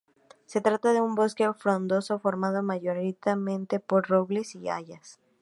Se trata de un bosque frondoso formado mayoritariamente por robles y hayas.